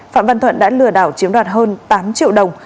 phạm văn thuận đã lừa đảo chiếm đoạt hơn tám triệu đồng